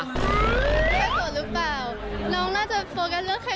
เขาจะชอบให้เห็นเพราะเขาบอกว่าพ่อชายเยอะก็เลยไง